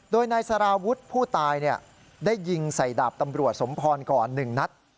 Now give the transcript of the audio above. โดยนายสารวุฒิผู้ตายได้ยิงใส่ดาบตำรวจสมพรก่อน๑นัด